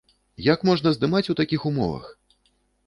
Як можна здымаць у такіх умовах?